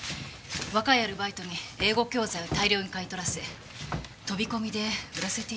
若いアルバイトに英語教材を大量に買い取らせ飛び込みで売らせていたようです。